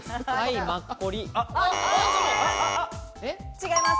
違います。